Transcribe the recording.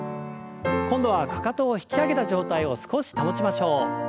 今度はかかとを引き上げた状態を少し保ちましょう。